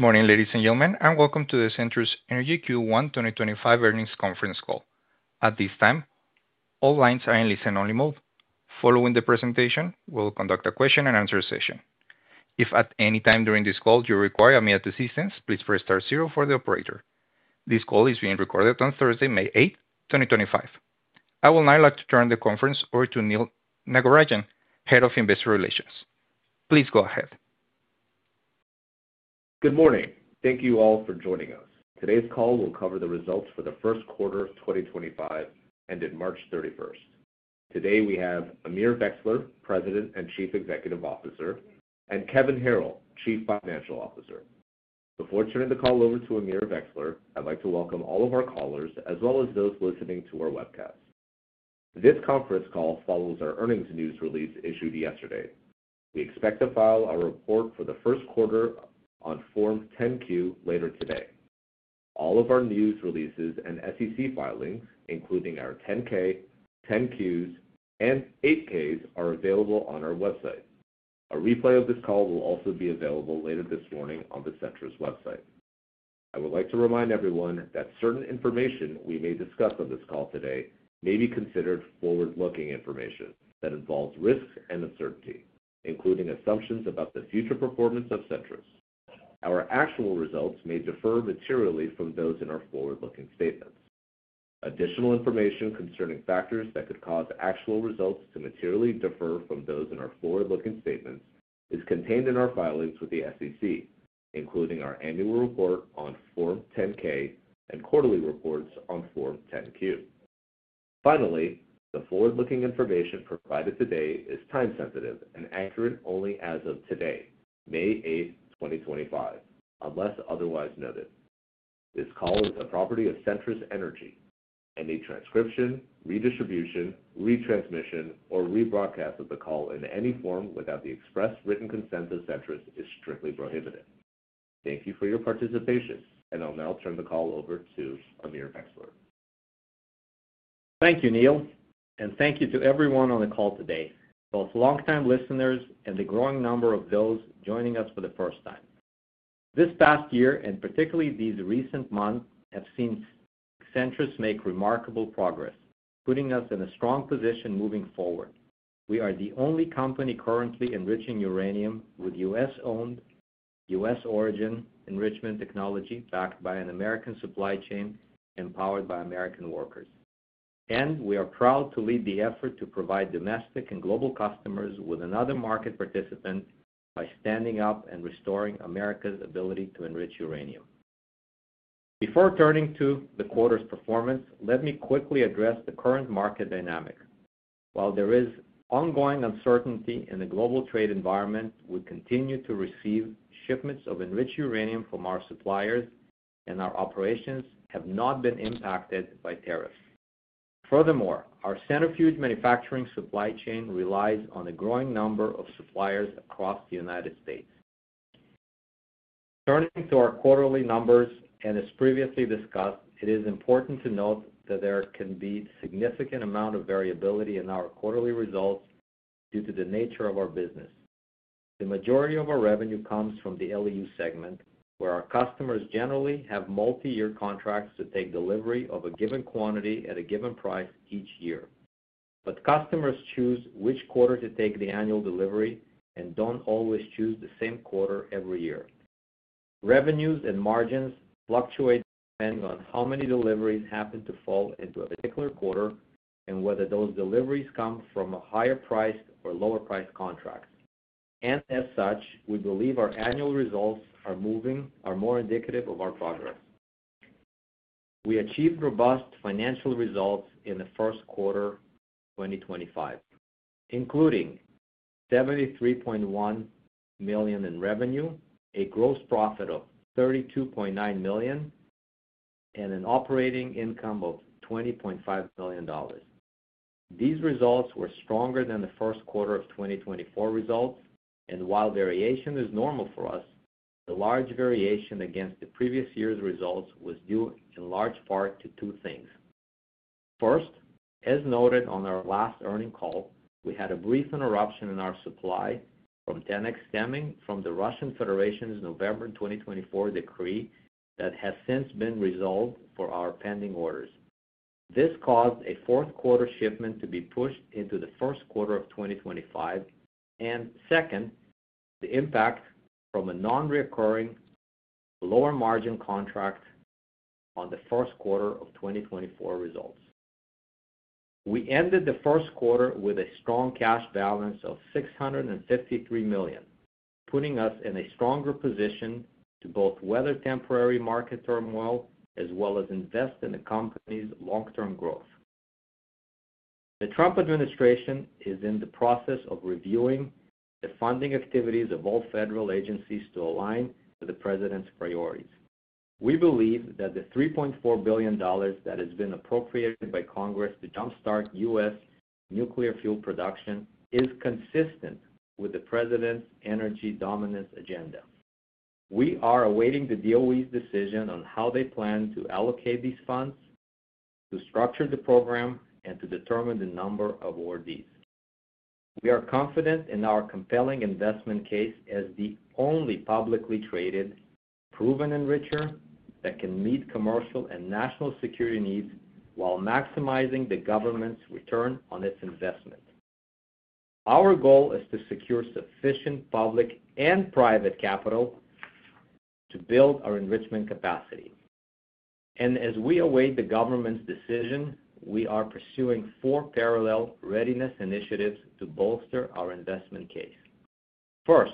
Good morning, ladies and gentlemen, and welcome to the Centrus Energy Q1 2025 earnings conference call. At this time, all lines are in listen-only mode. Following the presentation, we'll conduct a question-and-answer session. If at any time during this call you require immediate assistance, please press star zero for the operator. This call is being recorded on Thursday, May 8, 2025. I would now like to turn the conference over to Neal Nagarajan, Head of Investor Relations. Please go ahead. Good morning. Thank you all for joining us. Today's call will cover the results for the first quarter of 2025 ended March 31. Today we have Amir Vexler, President and Chief Executive Officer, and Kevin Harrill, Chief Financial Officer. Before turning the call over to Amir Vexler, I'd like to welcome all of our callers as well as those listening to our webcast. This conference call follows our earnings news release issued yesterday. We expect to file our report for the first quarter on Form 10-Q later today. All of our news releases and SEC filings, including our 10-K, 10-Qs, and 8-Ks, are available on our website. A replay of this call will also be available later this morning on the Centrus website. I would like to remind everyone that certain information we may discuss on this call today may be considered forward-looking information that involves risks and uncertainty, including assumptions about the future performance of Centrus. Our actual results may differ materially from those in our forward-looking statements. Additional information concerning factors that could cause actual results to materially differ from those in our forward-looking statements is contained in our filings with the SEC, including our annual report on Form 10-K and quarterly reports on Form 10-Q. Finally, the forward-looking information provided today is time-sensitive and accurate only as of today, May 8, 2025, unless otherwise noted. This call is the property of Centrus Energy. Any transcription, redistribution, retransmission, or rebroadcast of the call in any form without the express written consent of Centrus is strictly prohibited. Thank you for your participation, and I'll now turn the call over to Amir Vexler. Thank you, Neal, and thank you to everyone on the call today, both longtime listeners and the growing number of those joining us for the first time. This past year and particularly these recent months have seen Centrus make remarkable progress, putting us in a strong position moving forward. We are the only company currently enriching uranium with U.S.-owned, U.S.-origin enrichment technology backed by an American supply chain and powered by American workers. We are proud to lead the effort to provide domestic and global customers with another market participant by standing up and restoring America's ability to enrich uranium. Before turning to the quarter's performance, let me quickly address the current market dynamic. While there is ongoing uncertainty in the global trade environment, we continue to receive shipments of enriched uranium from our suppliers, and our operations have not been impacted by tariffs. Furthermore, our centrifuge manufacturing supply chain relies on a growing number of suppliers across the United States. Turning to our quarterly numbers, and as previously discussed, it is important to note that there can be a significant amount of variability in our quarterly results due to the nature of our business. The majority of our revenue comes from the LEU segment, where our customers generally have multi-year contracts to take delivery of a given quantity at a given price each year. Customers choose which quarter to take the annual delivery and do not always choose the same quarter every year. Revenues and margins fluctuate depending on how many deliveries happen to fall into a particular quarter and whether those deliveries come from a higher-priced or lower-priced contract. As such, we believe our annual results are more indicative of our progress. We achieved robust financial results in the first quarter of 2025, including $73.1 million in revenue, a gross profit of $32.9 million, and an operating income of $20.5 million. These results were stronger than the first quarter of 2024 results, and while variation is normal for us, the large variation against the previous year's results was due in large part to two things. First, as noted on our last earnings call, we had a brief interruption in our supply from Tenex stemming from the Russian Federation's November 2024 decree that has since been resolved for our pending orders. This caused a fourth quarter shipment to be pushed into the first quarter of 2025, and second, the impact from a non-recurring lower margin contract on the first quarter of 2024 results. We ended the first quarter with a strong cash balance of $653 million, putting us in a stronger position to both weather temporary market turmoil as well as invest in the company's long-term growth. The Trump administration is in the process of reviewing the funding activities of all federal agencies to align with the president's priorities. We believe that the $3.4 billion that has been appropriated by Congress to jump-start U.S. nuclear fuel production is consistent with the president's energy dominance agenda. We are awaiting the DOE's decision on how they plan to allocate these funds, to structure the program, and to determine the number of awardees. We are confident in our compelling investment case as the only publicly traded, proven enricher that can meet commercial and national security needs while maximizing the government's return on its investment. Our goal is to secure sufficient public and private capital to build our enrichment capacity. As we await the government's decision, we are pursuing four parallel readiness initiatives to bolster our investment case. First,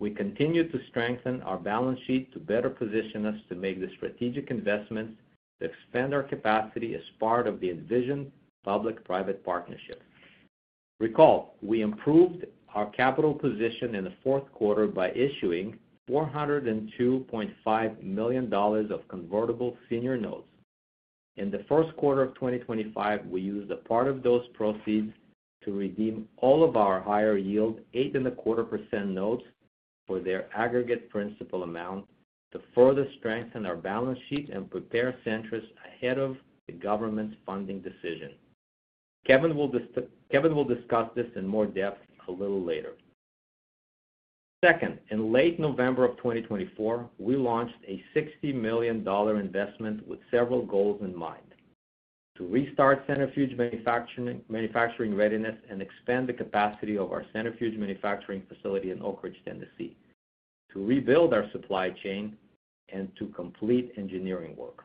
we continue to strengthen our balance sheet to better position us to make the strategic investments to expand our capacity as part of the envisioned public-private partnership. Recall, we improved our capital position in the fourth quarter by issuing $402.5 million of convertible senior notes. In the first quarter of 2025, we used a part of those proceeds to redeem all of our higher-yield 8.25% notes for their aggregate principal amount to further strengthen our balance sheet and prepare Centrus ahead of the government's funding decision. Kevin will discuss this in more depth a little later. Second, in late November of 2024, we launched a $60 million investment with several goals in mind: to restart centrifuge manufacturing readiness and expand the capacity of our centrifuge manufacturing facility in Oak Ridge, Tennessee, to rebuild our supply chain, and to complete engineering work.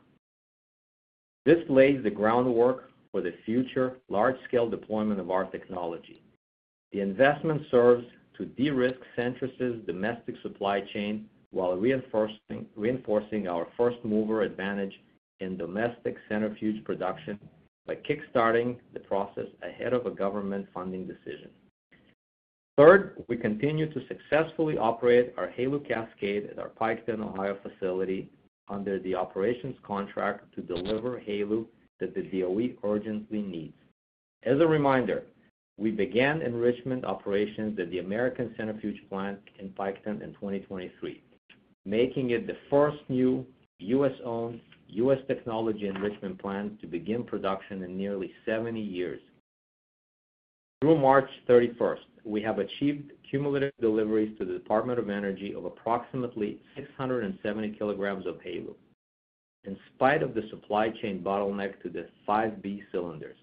This lays the groundwork for the future large-scale deployment of our technology. The investment serves to de-risk Centrus's domestic supply chain while reinforcing our first-mover advantage in domestic centrifuge production by kickstarting the process ahead of a government funding decision. Third, we continue to successfully operate our HALO cascade at our Piketon, Ohio, facility under the operations contract to deliver HALO that the DOE urgently needs. As a reminder, we began enrichment operations at the American Centrifuge Plant in Piketon in 2023, making it the first new U.S.-owned, U.S. technology enrichment plant to begin production in nearly 70 years. Through March 31, we have achieved cumulative deliveries to the Department of Energy of approximately 670 kilograms of HALEU, in spite of the supply chain bottleneck to the 5B cylinders.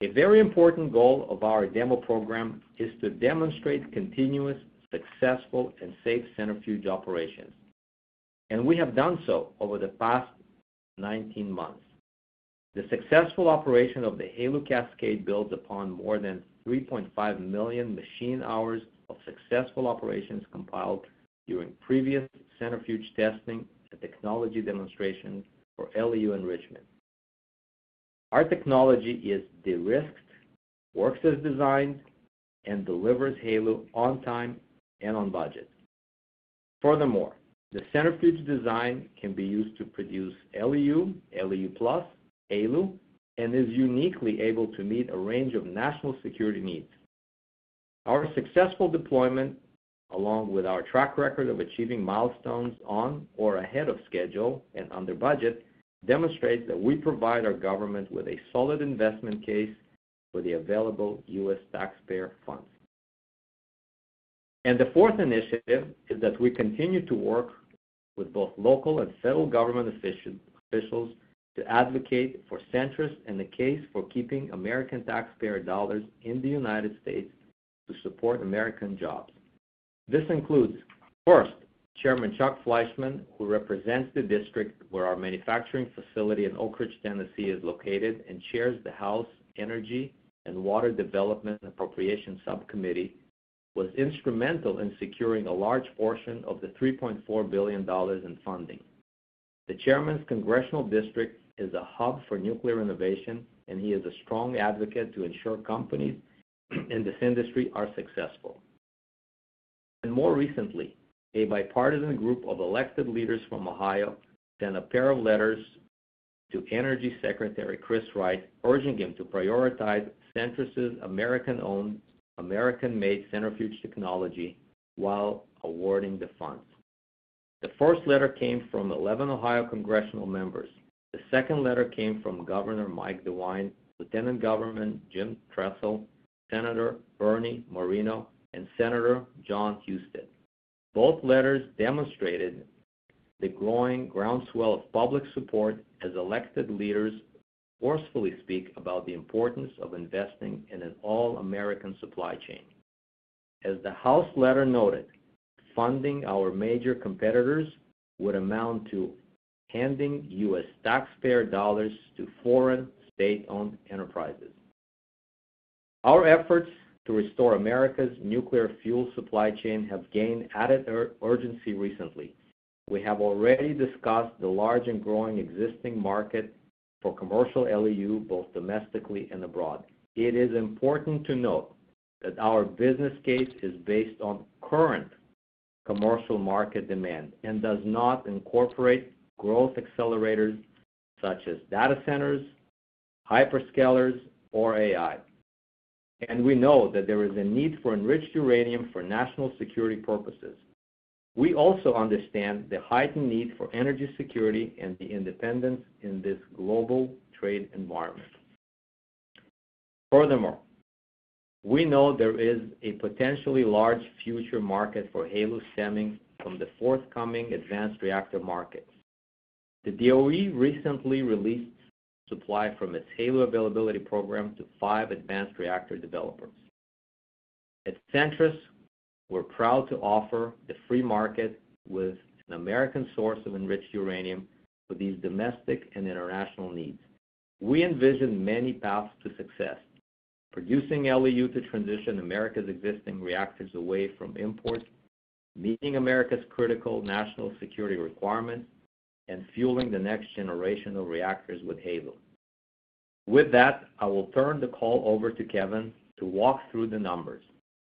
A very important goal of our demo program is to demonstrate continuous, successful, and safe centrifuge operations, and we have done so over the past 19 months. The successful operation of the HALEU cascade builds upon more than 3.5 million machine hours of successful operations compiled during previous centrifuge testing and technology demonstrations for LEU enrichment. Our technology is de-risked, works as designed, and delivers HALEU on time and on budget. Furthermore, the centrifuge design can be used to produce LEU, LEU Plus, HALEU, and is uniquely able to meet a range of national security needs. Our successful deployment, along with our track record of achieving milestones on or ahead of schedule and under budget, demonstrates that we provide our government with a solid investment case for the available U.S. taxpayer funds. The fourth initiative is that we continue to work with both local and federal government officials to advocate for Centrus and the case for keeping American taxpayer dollars in the United States to support American jobs. This includes, first, Chairman Chuck Fleischmann, who represents the district where our manufacturing facility in Oak Ridge, Tennessee, is located and chairs the House Energy and Water Development Appropriation Subcommittee, was instrumental in securing a large portion of the $3.4 billion in funding. The Chairman's Congressional District is a hub for nuclear innovation, and he is a strong advocate to ensure companies in this industry are successful. More recently, a bipartisan group of elected leaders from Ohio sent a pair of letters to Energy Secretary Chris Wright, urging him to prioritize Centrus's American-owned, American-made centrifuge technology while awarding the funds. The first letter came from 11 Ohio congressional members. The second letter came from Governor Mike DeWine, Lieutenant Governor Jon Husted, Senator Bernie Moreno, and Senator Jon Husted. Both letters demonstrated the growing groundswell of public support as elected leaders forcefully speak about the importance of investing in an all-American supply chain. As the House letter noted, funding our major competitors would amount to handing U.S. taxpayer dollars to foreign state-owned enterprises. Our efforts to restore America's nuclear fuel supply chain have gained added urgency recently. We have already discussed the large and growing existing market for commercial LEU, both domestically and abroad. It is important to note that our business case is based on current commercial market demand and does not incorporate growth accelerators such as data centers, hyperscalers, or AI. We know that there is a need for enriched uranium for national security purposes. We also understand the heightened need for energy security and the independence in this global trade environment. Furthermore, we know there is a potentially large future market for HALO stemming from the forthcoming advanced reactor markets. The DOE recently released supply from its HALO availability program to five advanced reactor developers. At Centrus, we're proud to offer the free market with an American source of enriched uranium for these domestic and international needs. We envision many paths to success: producing LEU to transition America's existing reactors away from imports, meeting America's critical national security requirements, and fueling the next generation of reactors with HALO. With that, I will turn the call over to Kevin to walk through the numbers.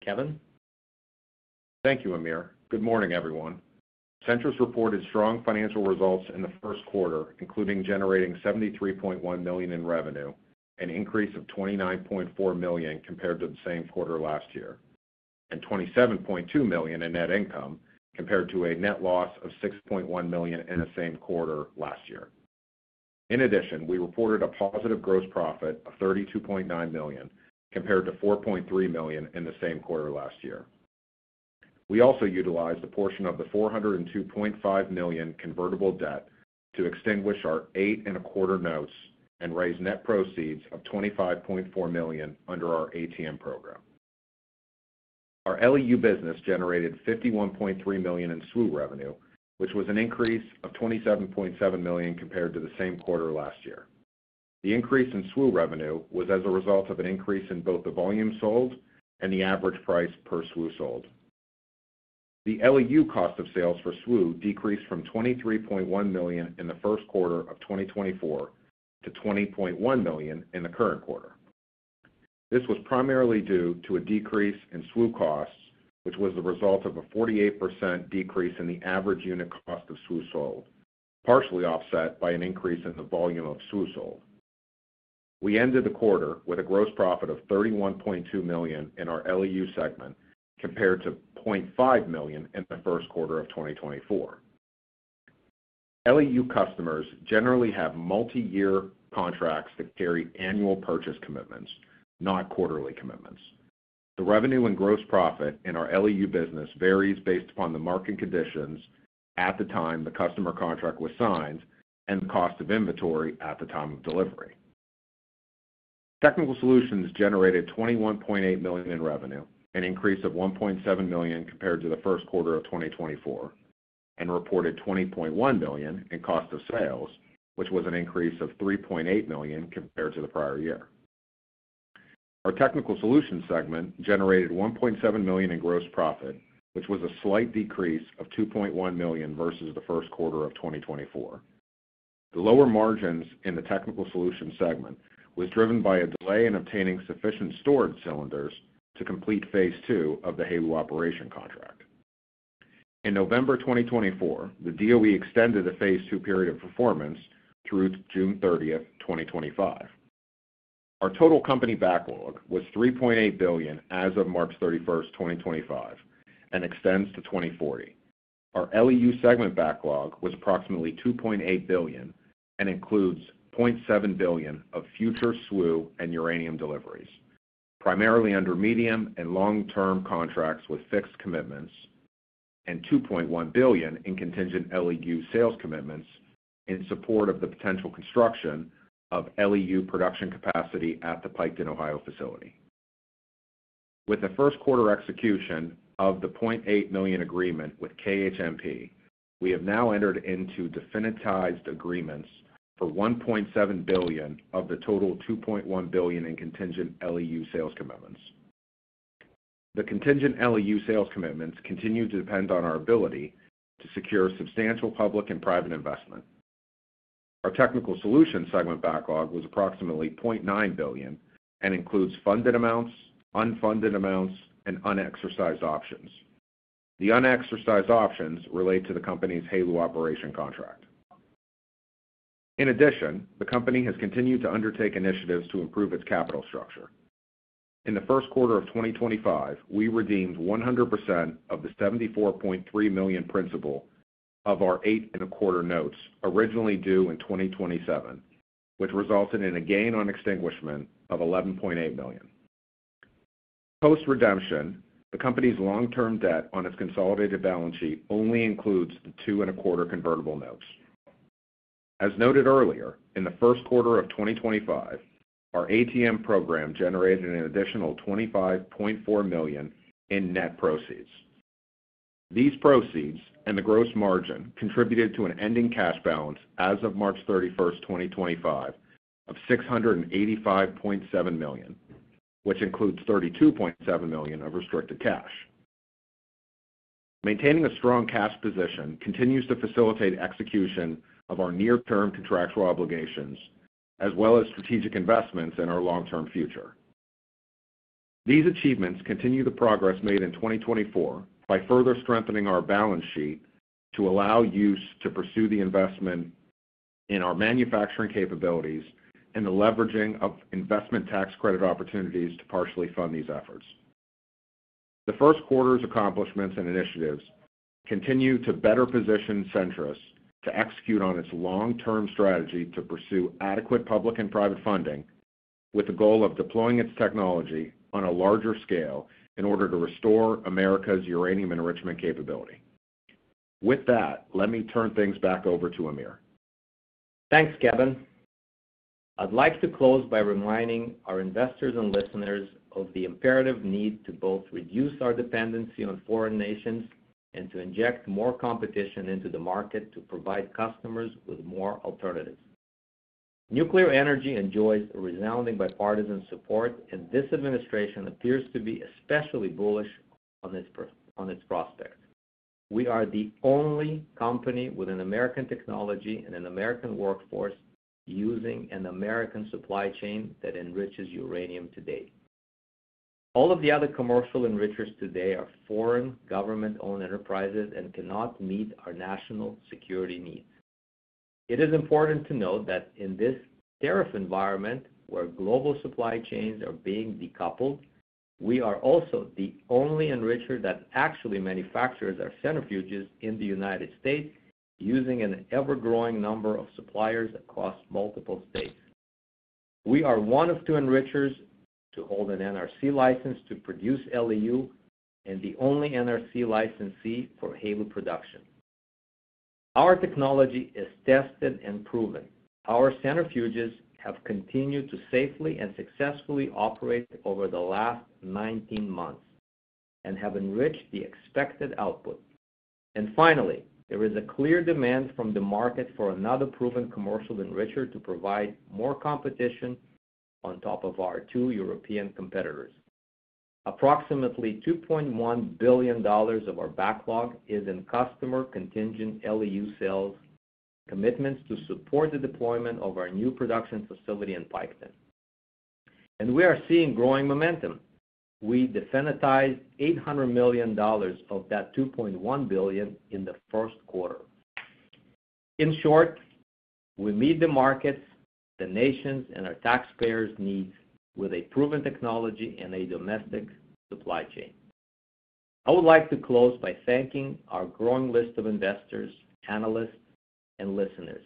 Kevin. Thank you, Amir. Good morning, everyone. Centrus reported strong financial results in the first quarter, including generating $73.1 million in revenue, an increase of $29.4 million compared to the same quarter last year, and $27.2 million in net income compared to a net loss of $6.1 million in the same quarter last year. In addition, we reported a positive gross profit of $32.9 million compared to $4.3 million in the same quarter last year. We also utilized a portion of the $402.5 million convertible debt to extinguish our 8.25 notes and raise net proceeds of $25.4 million under our ATM program. Our LEU business generated $51.3 million in SWU revenue, which was an increase of $27.7 million compared to the same quarter last year. The increase in SWU revenue was as a result of an increase in both the volume sold and the average price per SWU sold. The LEU cost of sales for SWU decreased from $23.1 million in the first quarter of 2024 to $20.1 million in the current quarter. This was primarily due to a decrease in SWU costs, which was the result of a 48% decrease in the average unit cost of SWU sold, partially offset by an increase in the volume of SWU sold. We ended the quarter with a gross profit of $31.2 million in our LEU segment compared to $0.5 million in the first quarter of 2024. LEU customers generally have multi-year contracts that carry annual purchase commitments, not quarterly commitments. The revenue and gross profit in our LEU business varies based upon the market conditions at the time the customer contract was signed and the cost of inventory at the time of delivery. Technical Solutions generated $21.8 million in revenue, an increase of $1.7 million compared to the first quarter of 2024, and reported $20.1 million in cost of sales, which was an increase of $3.8 million compared to the prior year. Our Technical Solutions segment generated $1.7 million in gross profit, which was a slight decrease of $2.1 million versus the first quarter of 2024. The lower margins in the Technical Solutions segment were driven by a delay in obtaining sufficient storage cylinders to complete phase two of the HALO operation contract. In November 2024, the DOE extended the phase two period of performance through June 30, 2025. Our total company backlog was $3.8 billion as of March 31, 2025, and extends to 2040. Our LEU segment backlog was approximately $2.8 billion and includes $0.7 billion of future SWU and uranium deliveries, primarily under medium and long-term contracts with fixed commitments, and $2.1 billion in contingent LEU sales commitments in support of the potential construction of LEU production capacity at the Piketon, Ohio, facility. With the first quarter execution of the $0.8 million agreement with KHMP, we have now entered into definitized agreements for $1.7 billion of the total $2.1 billion in contingent LEU sales commitments. The contingent LEU sales commitments continue to depend on our ability to secure substantial public and private investment. Our Technical Solutions segment backlog was approximately $0.9 billion and includes funded amounts, unfunded amounts, and unexercised options. The unexercised options relate to the company's HALO operation contract. In addition, the company has continued to undertake initiatives to improve its capital structure. In the first quarter of 2025, we redeemed 100% of the $74.3 million principal of our 8.25% notes originally due in 2027, which resulted in a gain on extinguishment of $11.8 million. Post-redemption, the company's long-term debt on its consolidated balance sheet only includes the 2.25% convertible notes. As noted earlier, in the first quarter of 2025, our ATM program generated an additional $25.4 million in net proceeds. These proceeds and the gross margin contributed to an ending cash balance as of March 31, 2025, of $685.7 million, which includes $32.7 million of restricted cash. Maintaining a strong cash position continues to facilitate execution of our near-term contractual obligations, as well as strategic investments in our long-term future. These achievements continue the progress made in 2024 by further strengthening our balance sheet to allow us to pursue the investment in our manufacturing capabilities and the leveraging of investment tax credit opportunities to partially fund these efforts. The first quarter's accomplishments and initiatives continue to better position Centrus to execute on its long-term strategy to pursue adequate public and private funding, with the goal of deploying its technology on a larger scale in order to restore America's uranium enrichment capability. With that, let me turn things back over to Amir. Thanks, Kevin. I'd like to close by reminding our investors and listeners of the imperative need to both reduce our dependency on foreign nations and to inject more competition into the market to provide customers with more alternatives. Nuclear energy enjoys a resounding bipartisan support, and this administration appears to be especially bullish on its prospects. We are the only company with an American technology and an American workforce using an American supply chain that enriches uranium today. All of the other commercial enrichers today are foreign government-owned enterprises and cannot meet our national security needs. It is important to note that in this tariff environment, where global supply chains are being decoupled, we are also the only enricher that actually manufactures our centrifuges in the United States, using an ever-growing number of suppliers across multiple states. We are one of two enrichers to hold an NRC license to produce LEU and the only NRC licensee for HALO production. Our technology is tested and proven. Our centrifuges have continued to safely and successfully operate over the last 19 months and have enriched the expected output. There is a clear demand from the market for another proven commercial enricher to provide more competition on top of our two European competitors. Approximately $2.1 billion of our backlog is in customer contingent LEU sales commitments to support the deployment of our new production facility in Piketon. We are seeing growing momentum. We definitized $800 million of that $2.1 billion in the first quarter. In short, we meet the markets, the nation's, and our taxpayers' needs with a proven technology and a domestic supply chain. I would like to close by thanking our growing list of investors, analysts, and listeners,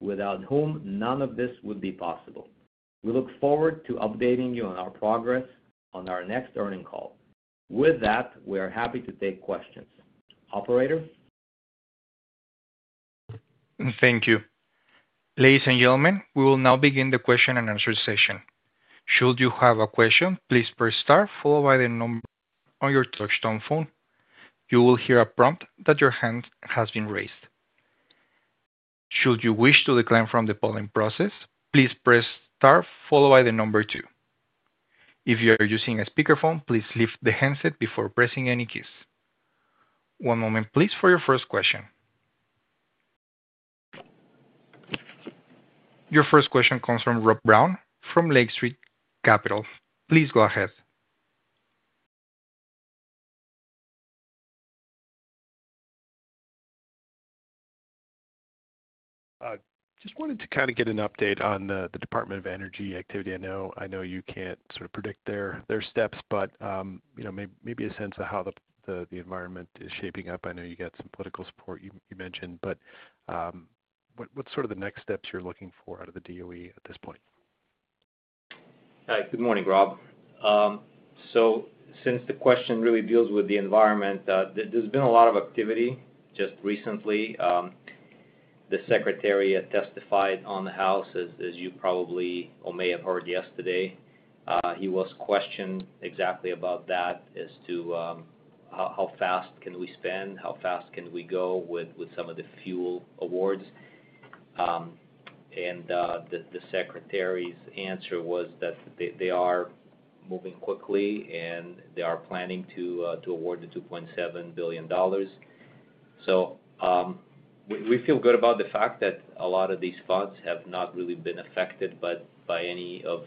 without whom none of this would be possible. We look forward to updating you on our progress on our next earnings call. With that, we are happy to take questions. Operator? Thank you. Ladies and gentlemen, we will now begin the question-and-answer session. Should you have a question, please press Star, followed by the number one on your touch-tone phone. You will hear a prompt that your hand has been raised. Should you wish to decline from the polling process, please press Star, followed by the number two. If you are using a speakerphone, please lift the handset before pressing any keys. One moment, please, for your first question. Your first question comes from Rob Brown from Lake Street Capital. Please go ahead. Just wanted to kind of get an update on the Department of Energy activity. I know you can't sort of predict their steps, but maybe a sense of how the environment is shaping up. I know you got some political support you mentioned, but what's sort of the next steps you're looking for out of the DOE at this point? Hi. Good morning, Rob. Since the question really deals with the environment, there's been a lot of activity just recently. The Secretary had testified on the House, as you probably or may have heard yesterday. He was questioned exactly about that, as to how fast can we spend, how fast can we go with some of the fuel awards. The Secretary's answer was that they are moving quickly, and they are planning to award the $2.7 billion. We feel good about the fact that a lot of these funds have not really been affected by any of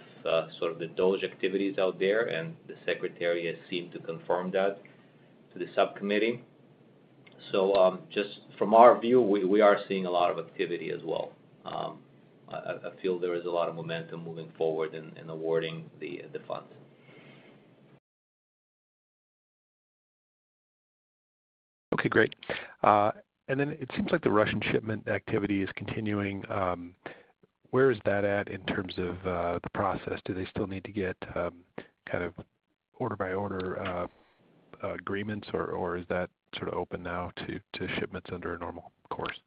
sort of the doge activities out there, and the Secretary has seemed to confirm that to the subcommittee. Just from our view, we are seeing a lot of activity as well. I feel there is a lot of momentum moving forward in awarding the funds. Okay. Great. It seems like the Russian shipment activity is continuing. Where is that at in terms of the process? Do they still need to get kind of order-by-order agreements, or is that sort of open now to shipments under a normal course?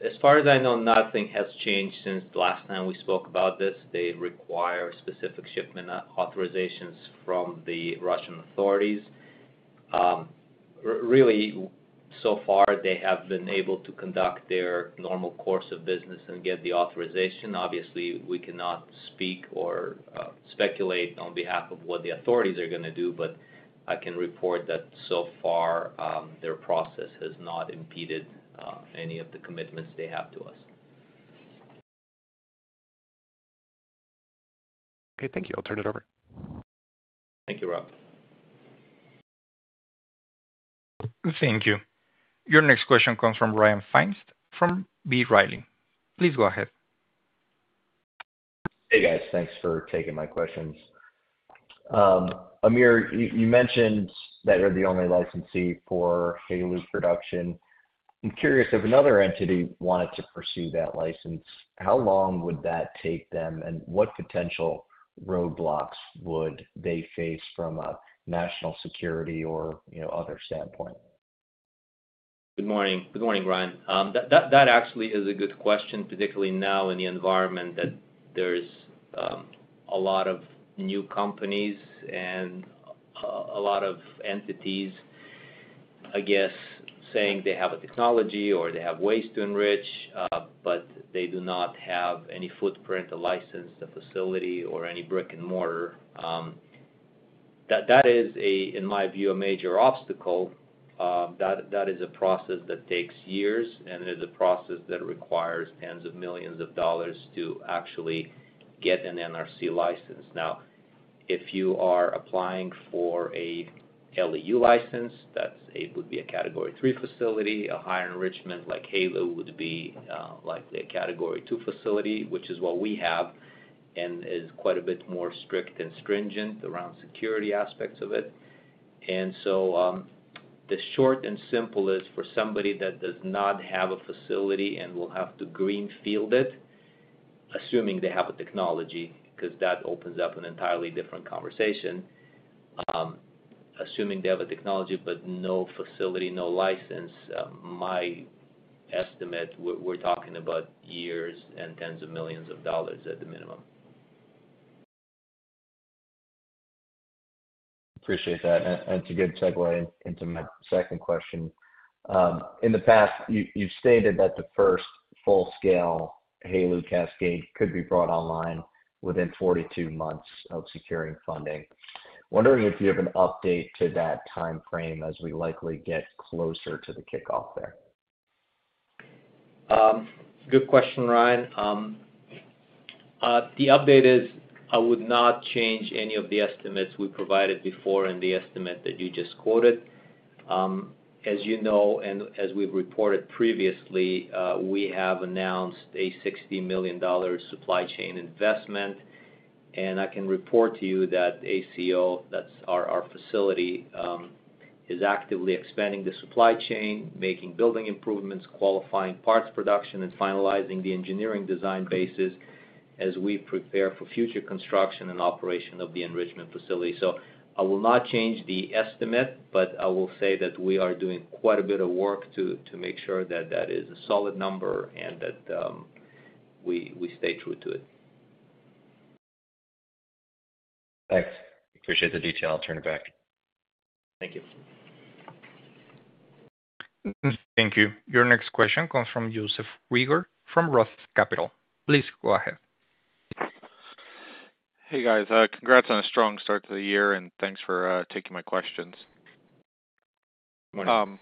As far as I know, nothing has changed since the last time we spoke about this. They require specific shipment authorizations from the Russian authorities. Really, so far, they have been able to conduct their normal course of business and get the authorization. Obviously, we cannot speak or speculate on behalf of what the authorities are going to do, but I can report that so far, their process has not impeded any of the commitments they have to us. Okay. Thank you. Operator. Thank you, Rob. Thank you. Your next question comes from Ryan Flynn from B. Riley. Please go ahead. Hey, guys. Thanks for taking my questions. Amir, you mentioned that you're the only licensee for HALO production. I'm curious, if another entity wanted to pursue that license, how long would that take them, and what potential roadblocks would they face from a national security or other standpoint? Good morning. Good morning, Ryan. That actually is a good question, particularly now in the environment that there are a lot of new companies and a lot of entities, I guess, saying they have a technology or they have ways to enrich, but they do not have any footprint, a license, a facility, or any brick and mortar. That is, in my view, a major obstacle. That is a process that takes years, and it is a process that requires tens of millions of dollars to actually get an NRC license. Now, if you are applying for an LEU license, that would be a category three facility. A higher enrichment like HALO would be likely a category two facility, which is what we have and is quite a bit more strict and stringent around security aspects of it. The short and simple is for somebody that does not have a facility and will have to greenfield it, assuming they have a technology, because that opens up an entirely different conversation, assuming they have a technology but no facility, no license, my estimate, we're talking about years and tens of millions of dollars at the minimum. Appreciate that. It is a good segue into my second question. In the past, you've stated that the first full-scale HALO cascade could be brought online within 42 months of securing funding. Wondering if you have an update to that timeframe as we likely get closer to the kickoff there. Good question, Ryan. The update is I would not change any of the estimates we provided before and the estimate that you just quoted. As you know, and as we've reported previously, we have announced a $60 million supply chain investment. I can report to you that ACO, that's our facility, is actively expanding the supply chain, making building improvements, qualifying parts production, and finalizing the engineering design basis as we prepare for future construction and operation of the enrichment facility. I will not change the estimate, but I will say that we are doing quite a bit of work to make sure that that is a solid number and that we stay true to it. Thanks. Appreciate the detail. I'll turn it back. Thank you. Thank you. Your next question comes from Joseph Reagor from ROTH Capital. Please go ahead. Hey, guys. Congrats on a strong start to the year, and thanks for taking my questions. Good morning.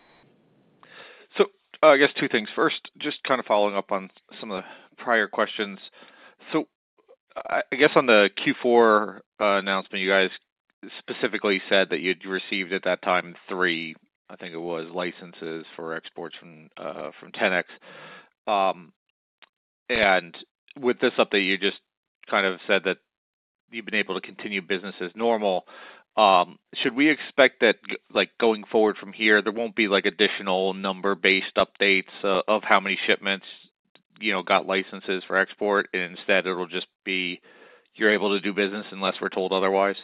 I guess two things. First, just kind of following up on some of the prior questions. I guess on the Q4 announcement, you guys specifically said that you'd received at that time three, I think it was, licenses for exports from Tenex. And with this update, you just kind of said that you've been able to continue business as normal. Should we expect that going forward from here, there won't be additional number-based updates of how many shipments got licenses for export, and instead, it'll just be you're able to do business unless we're told otherwise?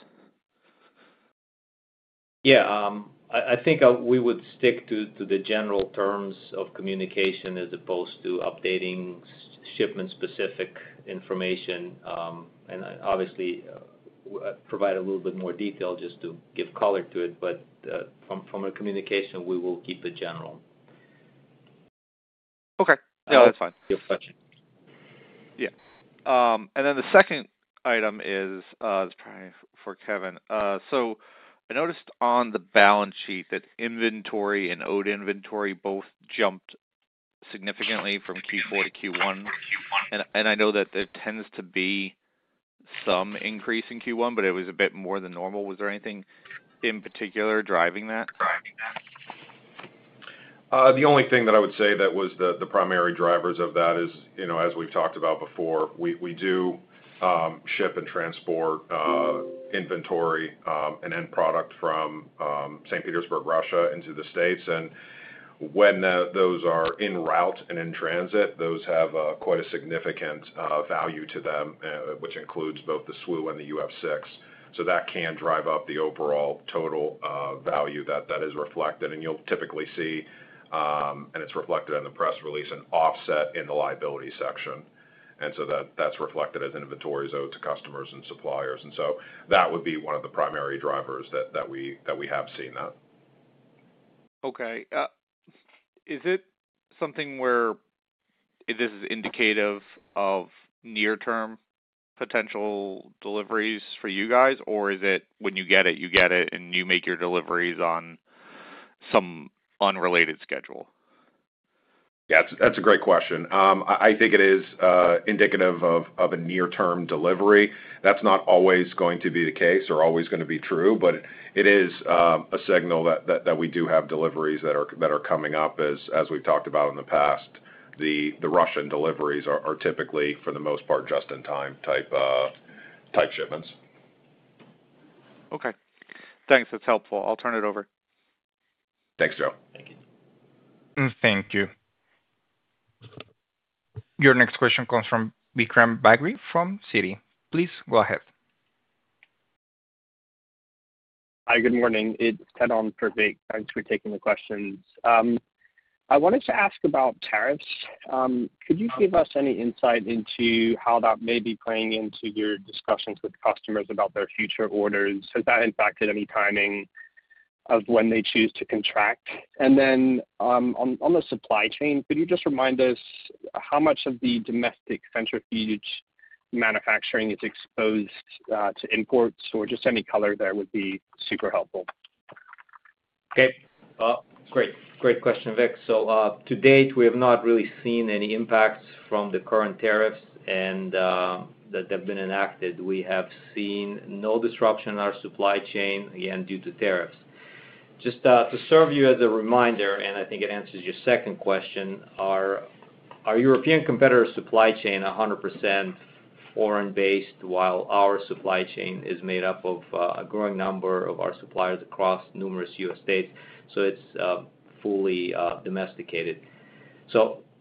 Yeah. I think we would stick to the general terms of communication as opposed to updating shipment-specific information. Obviously, provide a little bit more detail just to give color to it. From our communication, we will keep it general. Okay. Yeah, that's fine. Your question. Yeah. The second item is probably for Kevin. I noticed on the balance sheet that inventory and owed inventory both jumped significantly from Q4 to Q1. I know that there tends to be some increase in Q1, but it was a bit more than normal. Was there anything in particular driving that? The only thing that I would say that was the primary drivers of that is, as we've talked about before, we do ship and transport inventory and end product from St. Petersburg, Russia, into the States. When those are in route and in transit, those have quite a significant value to them, which includes both the SWU and the UF6. That can drive up the overall total value that is reflected. You'll typically see, and it's reflected in the press release, an offset in the liability section. That's reflected as inventories owed to customers and suppliers. That would be one of the primary drivers that we have seen that. Okay. Is it something where this is indicative of near-term potential deliveries for you guys, or is it when you get it, you get it, and you make your deliveries on some unrelated schedule? Yeah, that's a great question. I think it is indicative of a near-term delivery. That's not always going to be the case or always going to be true, but it is a signal that we do have deliveries that are coming up, as we've talked about in the past. The Russian deliveries are typically, for the most part, just-in-time type shipments. Okay. Thanks. That's helpful. I'll turn it over. Thanks, Joe. Thank you. Thank you. Your next question comes from Ted from Citi. Please go ahead. Hi. Good morning. It's Ted on for Vake. Thanks for taking the questions. I wanted to ask about tariffs. Could you give us any insight into how that may be playing into your discussions with customers about their future orders? Has that impacted any timing of when they choose to contract? On the supply chain, could you just remind us how much of the domestic centrifuge manufacturing is exposed to imports? Any color there would be super helpful. Okay. Great. Great question, Vex. To date, we have not really seen any impacts from the current tariffs that have been enacted. We have seen no disruption in our supply chain, again, due to tariffs. Just to serve you as a reminder, and I think it answers your second question, our European competitors' supply chain is 100% foreign-based, while our supply chain is made up of a growing number of our suppliers across numerous U.S. states. It is fully domesticated.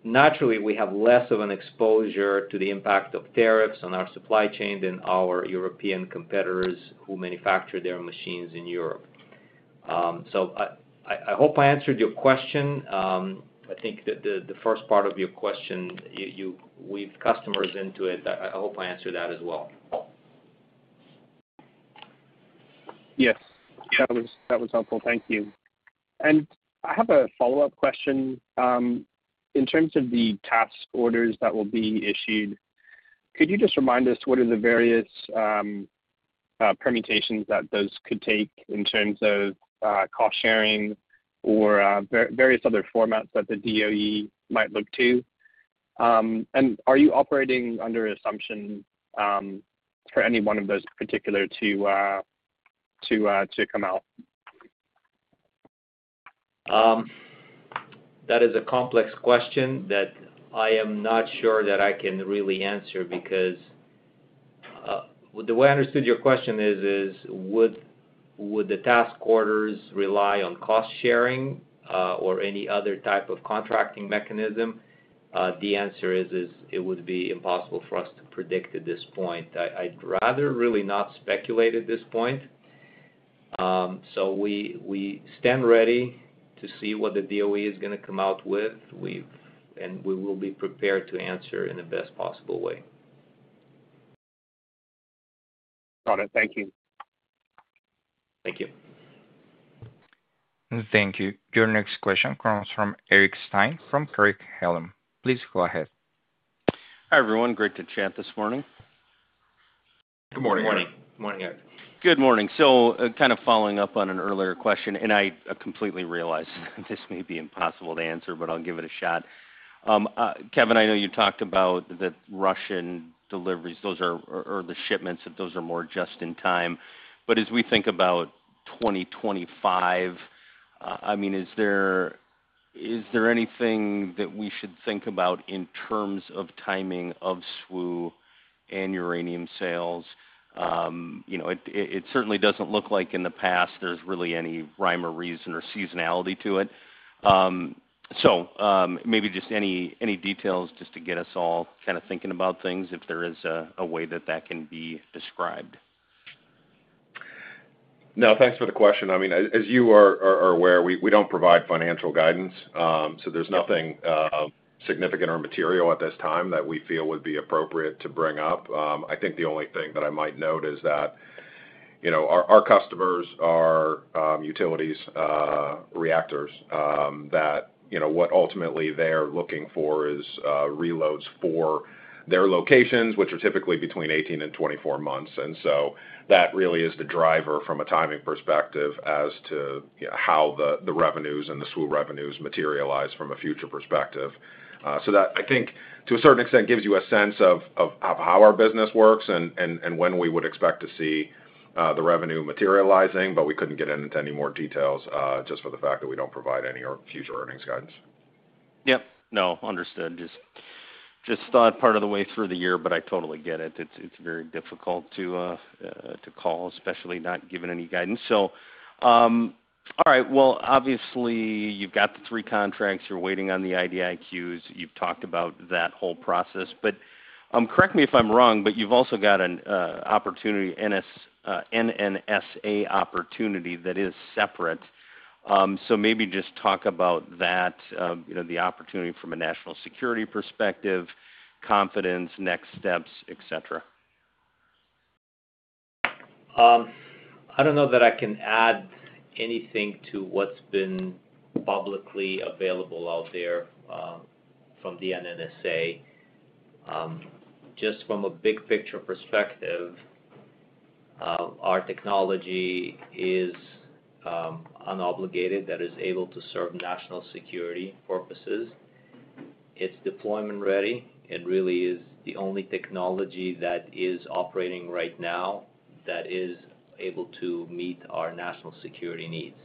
Naturally, we have less of an exposure to the impact of tariffs on our supply chain than our European competitors who manufacture their machines in Europe. I hope I answered your question. I think the first part of your question, you weaved customers into it. I hope I answered that as well. Yes. Yeah, that was helpful. Thank you. I have a follow-up question. In terms of the task orders that will be issued, could you just remind us what are the various permutations that those could take in terms of cost sharing or various other formats that the DOE might look to? Are you operating under assumption for any one of those particular to come out? That is a complex question that I am not sure that I can really answer because the way I understood your question is, would the task orders rely on cost sharing or any other type of contracting mechanism? The answer is it would be impossible for us to predict at this point. I'd rather really not speculate at this point. We stand ready to see what the DOE is going to come out with, and we will be prepared to answer in the best possible way. Got it. Thank you. Thank you. Thank you. Your next question comes from Eric Stine from Craig-Hallum. Please go ahead. Hi, everyone. Great to chat this morning. Good morning. Good morning. Good morning. Kind of following up on an earlier question, and I completely realize this may be impossible to answer, but I'll give it a shot. Kevin, I know you talked about the Russian deliveries. Those are the shipments that are more just-in-time. As we think about 2025, I mean, is there anything that we should think about in terms of timing of SWU and uranium sales? It certainly does not look like in the past there is really any rhyme or reason or seasonality to it. Maybe just any details to get us all kind of thinking about things if there is a way that that can be described. No, thanks for the question. I mean, as you are aware, we don't provide financial guidance. There is nothing significant or material at this time that we feel would be appropriate to bring up. I think the only thing that I might note is that our customers are utilities, reactors, that what ultimately they are looking for is reloads for their locations, which are typically between 18 and 24 months. That really is the driver from a timing perspective as to how the revenues and the SWU revenues materialize from a future perspective. That, I think, to a certain extent, gives you a sense of how our business works and when we would expect to see the revenue materializing. We couldn't get into any more details just for the fact that we don't provide any future earnings guidance. Yeah. No, understood. Just thought part of the way through the year, but I totally get it. It's very difficult to call, especially not given any guidance. All right. Obviously, you've got the three contracts. You're waiting on the IDIQs. You've talked about that whole process. Correct me if I'm wrong, but you've also got an NNSA opportunity that is separate. Maybe just talk about that, the opportunity from a national security perspective, confidence, next steps, etc. I don't know that I can add anything to what's been publicly available out there from the NNSA. Just from a big-picture perspective, our technology is unobligated that is able to serve national security purposes. It's deployment-ready. It really is the only technology that is operating right now that is able to meet our national security needs.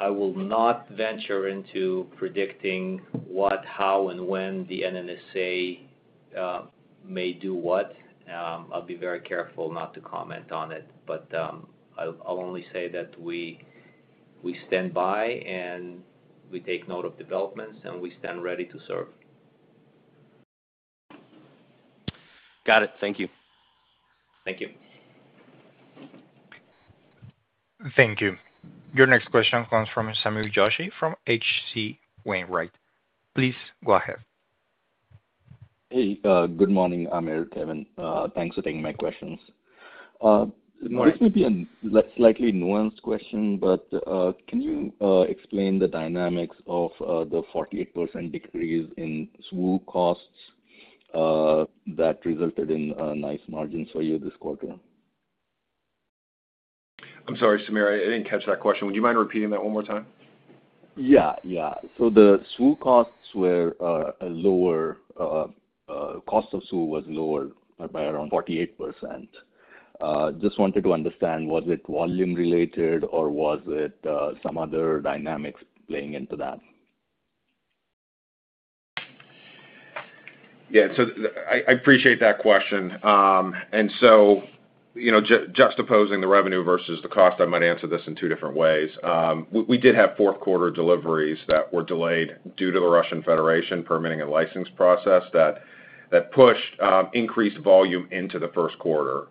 I will not venture into predicting what, how, and when the NNSA may do what. I'll be very careful not to comment on it. I'll only say that we stand by, and we take note of developments, and we stand ready to serve. Got it. Thank you. Thank you. Thank you. Your next question comes from Sameer Joshi from H.C. Wainwright. Please go ahead. Hey, good morning. I'm Eric Kevin. Thanks for taking my questions. This may be a slightly nuanced question, but can you explain the dynamics of the 48% decrease in SWU costs that resulted in nice margins for you this quarter? I'm sorry, Sameer. I didn't catch that question. Would you mind repeating that one more time? Yeah. Yeah. So the SWU costs were lower. Cost of SWU was lower by around 48%. Just wanted to understand, was it volume-related, or was it some other dynamics playing into that? Yeah. I appreciate that question. Juxtaposing the revenue versus the cost, I might answer this in two different ways. We did have fourth-quarter deliveries that were delayed due to the Russian Federation permitting a license process that pushed increased volume into the first quarter,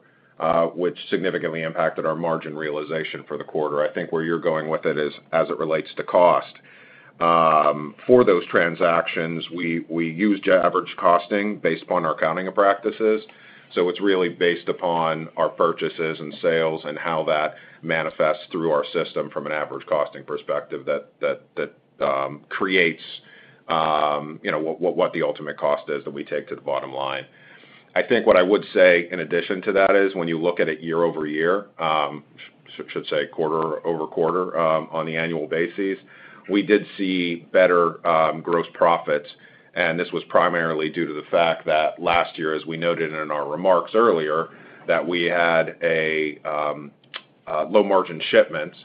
which significantly impacted our margin realization for the quarter. I think where you're going with it is as it relates to cost. For those transactions, we used average costing based upon our accounting practices. It is really based upon our purchases and sales and how that manifests through our system from an average costing perspective that creates what the ultimate cost is that we take to the bottom line. I think what I would say in addition to that is when you look at it year over year, I should say quarter over quarter on the annual basis, we did see better gross profits. This was primarily due to the fact that last year, as we noted in our remarks earlier, we had low-margin shipments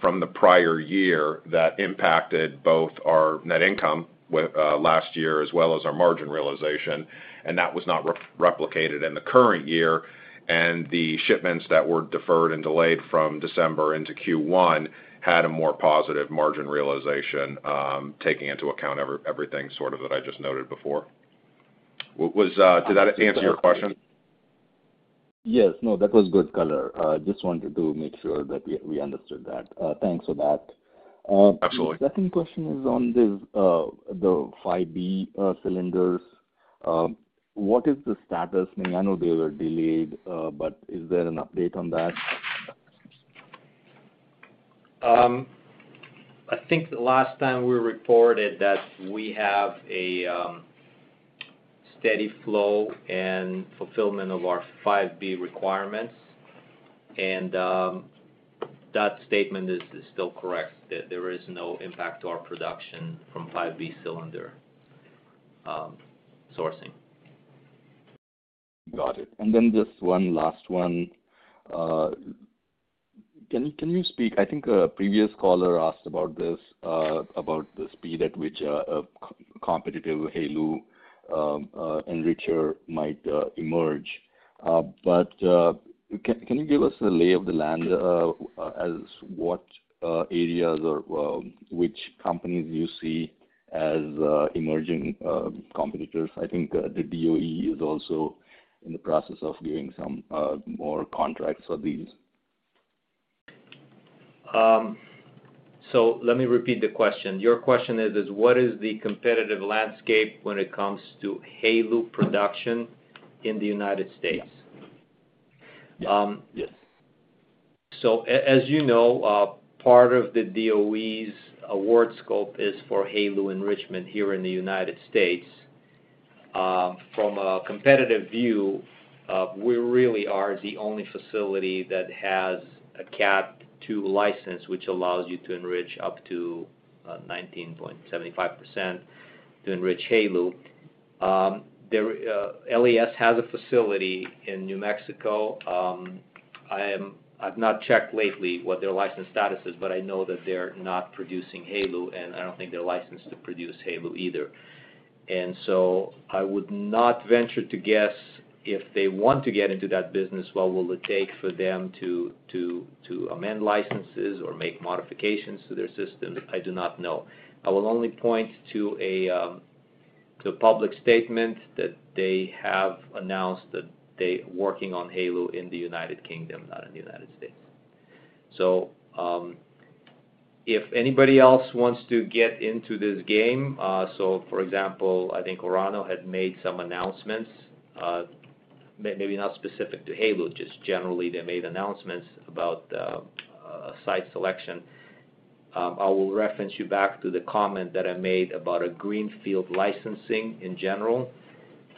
from the prior year that impacted both our net income last year as well as our margin realization. That was not replicated in the current year. The shipments that were deferred and delayed from December into Q1 had a more positive margin realization taking into account everything sort of that I just noted before. Did that answer your question? Yes. No, that was good color. I just wanted to make sure that we understood that. Thanks for that. Absolutely. Second question is on the 5B cylinders. What is the status? I mean, I know they were delayed, but is there an update on that? I think the last time we reported that we have a steady flow and fulfillment of our 5B requirements. That statement is still correct. There is no impact to our production from 5B cylinder sourcing. Got it. And then just one last one. Can you speak? I think a previous caller asked about this, about the speed at which a competitive HALEU enricher might emerge. But can you give us a lay of the land as what areas or which companies you see as emerging competitors? I think the DOE is also in the process of giving some more contracts for these. Let me repeat the question. Your question is, what is the competitive landscape when it comes to HALEU production in the United States? Yes. As you know, part of the DOE's award scope is for HALEU enrichment here in the United States. From a competitive view, we really are the only facility that has a Category II license, which allows you to enrich up to 19.75% to enrich HALEU. LES has a facility in New Mexico. I've not checked lately what their license status is, but I know that they're not producing HALEU, and I don't think they're licensed to produce HALEU either. I would not venture to guess if they want to get into that business. What will it take for them to amend licenses or make modifications to their systems? I do not know. I will only point to a public statement that they have announced that they are working on HALEU in the United Kingdom, not in the United States. If anybody else wants to get into this game, for example, I think Orano had made some announcements, maybe not specific to HALEU, just generally, they made announcements about site selection. I will reference you back to the comment that I made about a greenfield licensing in general.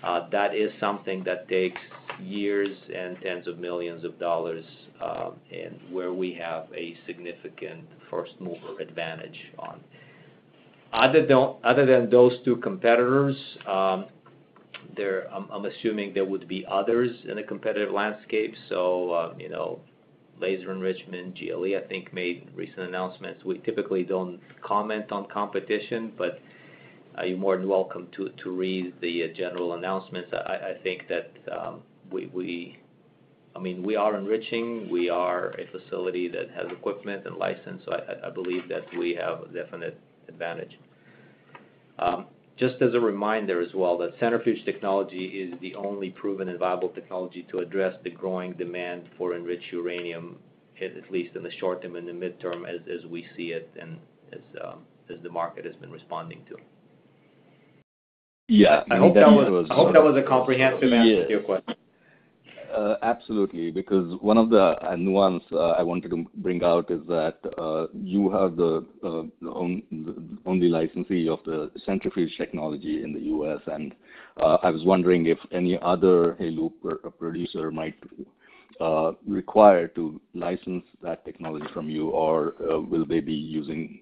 That is something that takes years and tens of millions of dollars and where we have a significant first-mover advantage on. Other than those two competitors, I'm assuming there would be others in the competitive landscape. Laser enrichment, GLE, I think, made recent announcements. We typically do not comment on competition, but you are more than welcome to read the general announcements. I think that we, I mean, we are enriching. We are a facility that has equipment and license. I believe that we have a definite advantage. Just as a reminder as well, that Centrus technology is the only proven and viable technology to address the growing demand for enriched uranium, at least in the short term and the midterm, as we see it and as the market has been responding to. Yeah. I hope that was a comprehensive answer to your question. Absolutely. Because one of the nuances I wanted to bring out is that you are the only licensee of the American Centrifuge technology in the U.S. I was wondering if any other HALEU producer might require to license that technology from you, or will they be using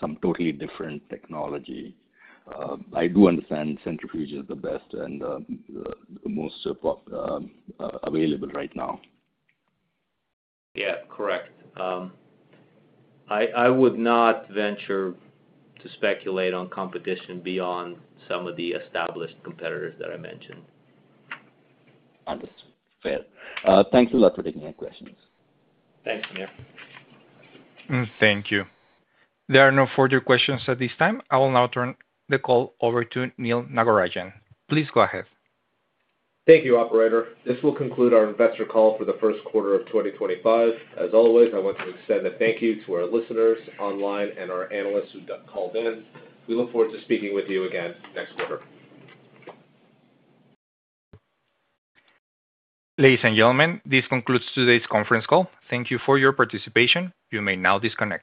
some totally different technology? I do understand American Centrifuge is the best and most available right now. Yeah. Correct. I would not venture to speculate on competition beyond some of the established competitors that I mentioned. Understood. Fair. Thanks a lot for taking my questions. Thanks, Sameer. Thank you. There are no further questions at this time. I will now turn the call over to Neal Nagarajan. Please go ahead. Thank you, Operator. This will conclude our investor call for the first quarter of 2025. As always, I want to extend a thank you to our listeners online and our analysts who called in. We look forward to speaking with you again next quarter. Ladies and gentlemen, this concludes today's conference call. Thank you for your participation. You may now disconnect.